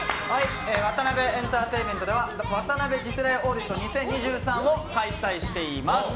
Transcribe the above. ワタナベエンターテインメントではワタナベ次世代オーディション２０２３を開催しています。